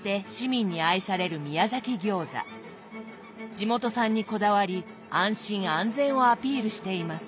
地元産にこだわり安心安全をアピールしています。